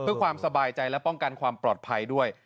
เพื่อความสบายใจและป้องกันความปลอดภัยด้วย